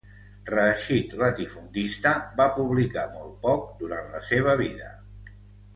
Reeixit latifundista, va publicar molt poc durant la seva vida.